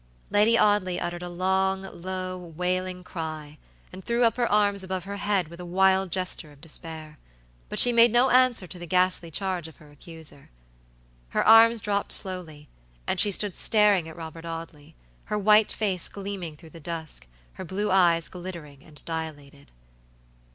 Lucy Audley uttered a long, low, wailing cry, and threw up her arms above her head with a wild gesture of despair, but she made no answer to the ghastly charge of her accuser. Her arms slowly dropped, and she stood staring at Robert Audley, her white face gleaming through the dusk, her blue eyes glittering and dilated.